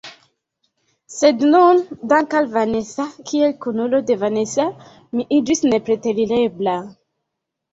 Sed nun, danke al Vanesa, kiel kunulo de Vanesa, mi iĝis nepreterirebla.